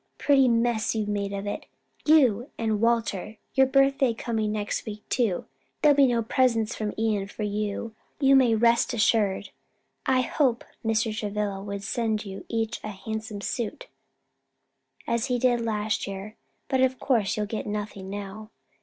"A pretty mess you've made of it, you and Walter. Your birthday coming next week too; there'll be no presents from Ion for you, you may rest assured. I hoped Mr. Travilla would send you each a handsome suit, as he did last year; but of course you'll get nothing now."